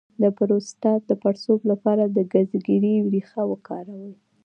د پروستات د پړسوب لپاره د ګزګیرې ریښه وکاروئ